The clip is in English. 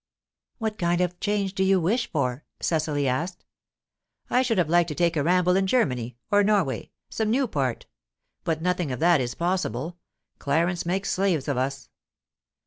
"What kind of change do you wish for?" Cecily asked. "I should have liked to take a ramble in Germany, or, Norway some new part. But nothing of that is possible. Clarence makes slaves of us."